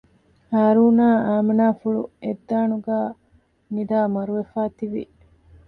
ހާރޫނާއި އައިމިނާފުޅު އެއް ދާނުގައި ނިދައި މަރުވެފައި ތިވި